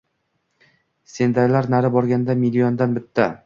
sendaylar, nari borganda, milliondan bitta.